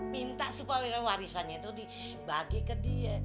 minta supawira warisannya tuh dibagi ke dia